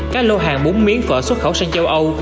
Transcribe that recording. các lô hàng bún miến phở xuất khẩu sang châu âu